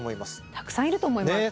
たくさんいると思います。